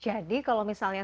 jadi kalau misalnya